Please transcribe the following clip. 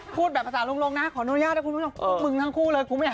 พูดแบบภาษาลุงลงนะขออนุญาตให้คุณมึงทั้งคู่เลยคุณไม่เอา